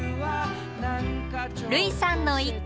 類さんの一句。